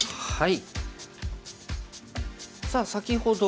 はい！